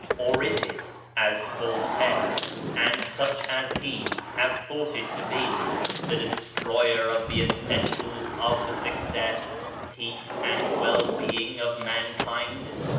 or is it — as Voltaire and such as he have thought it to be — the destroyer of the essentials of the success, peace and well being of mankind?